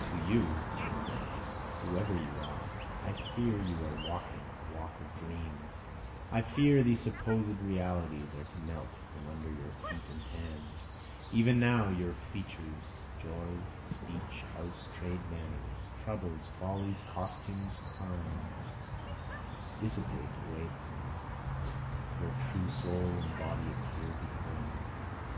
To You Whoever you are, I fear you are walking the walks of dreams, I fear these supposed realities are to melt from under your feet and hands, Even now your features, joys, speech, house, trade, manners, troubles, follies, costume, crimes, dissipate away from you, Your true soul and body appear before me.